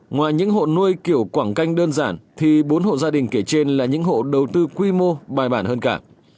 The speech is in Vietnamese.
ngoài những hộ nuôi kiểu quảng canh đơn giản thì bốn hộ gia đình kể trên là những hộ đầu tư quy mô bài bản hơn cả